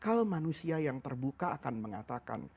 akal manusia yang terbuka akan mengatakan